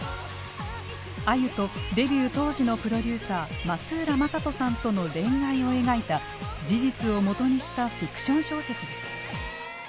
あゆとデビュー当時のプロデューサー松浦勝人さんとの恋愛を描いた事実を基にしたフィクション小説です。